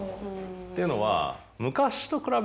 っていうのは。